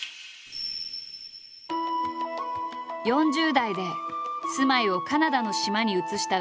４０代で住まいをカナダの島に移したＵＡ。